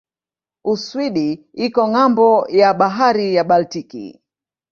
Uswidi iko ng'ambo ya bahari ya Baltiki.